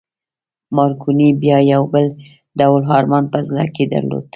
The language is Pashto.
مارکوني بیا یو بل ډول ارمان په زړه کې درلود